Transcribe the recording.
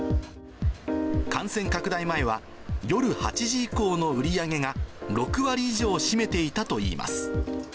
感染拡大前は、夜８時以降の売り上げが、６割以上を占めていたといいます。